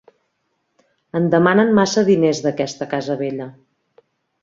En demanen massa diners, d'aquesta casa vella.